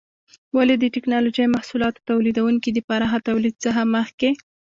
ولې د ټېکنالوجۍ محصولاتو تولیدونکي د پراخه تولید څخه مخکې؟